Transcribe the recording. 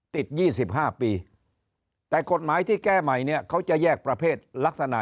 ติด๒๕ปีแต่กฎหมายที่แก้ใหม่เนี่ยเขาจะแยกประเภทลักษณะ